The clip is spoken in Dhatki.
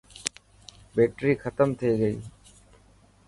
بيٽري ختم ٿي گئي.